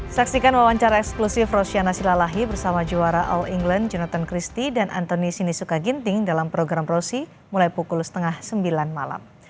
saksikan wawancara eksklusif rosiana silalahi bersama juara all england jonathan christie dan antoni sinisuka ginting dalam program rosi mulai pukul setengah sembilan malam